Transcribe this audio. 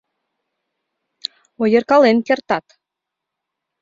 — Ойыркален кертат.